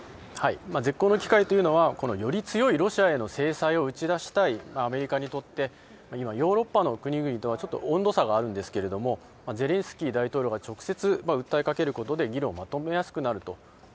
絶好の機会というのはより強いロシアへの制裁を打ち出したいアメリカにとってヨーロッパの国々とは温度差があるんですがゼレンスキー大統領が直接、訴えかけることで議論がまとめやすくなると。